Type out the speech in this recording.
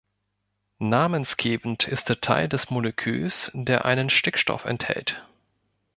Namensgebend ist der Teil des Moleküls, der einen Stickstoff enthält.